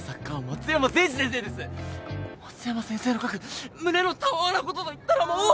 松山先生の描く胸のたわわなことといったらもう。